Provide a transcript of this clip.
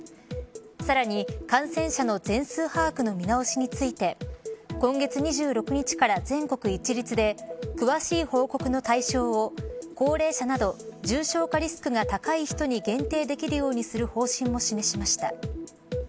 さらに感染者の全数把握の見直しについて今月２６日から全国一律で詳しい報告の対象を高齢者など重症化リスクが高い人に限定できるようにする方針を示しました。